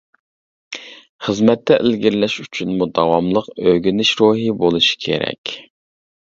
خىزمەتتە ئىلگىرىلەش ئۈچۈنمۇ داۋاملىق ئۆگىنىش روھى بولۇشى كېرەك.